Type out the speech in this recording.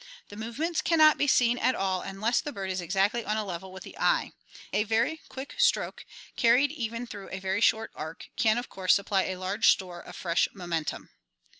The movements can not be seen at all unless the bird is exactly on a level with the eye. A very quick stroke, carried even through a very short arc, can of course supply a large store of fresh momentum."